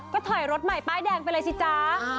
ก็ถอยรถใหม่ป้ายแดงไปเลยสิจ๊ะ